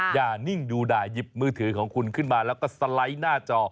นิ่งดูด่าหยิบมือถือของคุณขึ้นมาแล้วก็สไลด์หน้าจอ